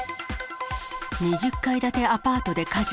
２０階建てアパートで火事。